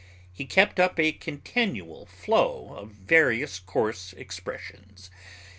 He kept up a continual flow of various coarse expressions.